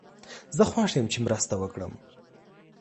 زه خوښ یم چې مرسته وکړم.